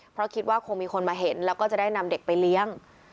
เพราะคิดว่าคงมีคนมาเห็นแล้วก็จะได้นำเด็กไปเลี้ยง